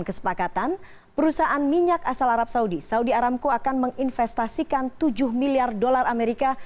kesepakatan perusahaan minyak asal arab saudi saudi aramco akan menginvestasikan tujuh miliar dolar amerika